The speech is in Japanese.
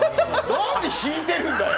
何で引いてるんだよ！